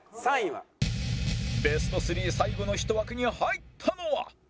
ベスト３最後の１枠に入ったのは